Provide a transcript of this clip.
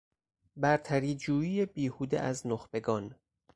برتری جویی بیهوده از نخبگان